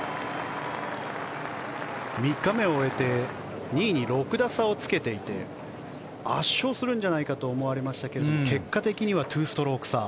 ３日目を終えて２位に６打差をつけていて圧勝するんじゃないかと思われましたが結果的には２ストローク差。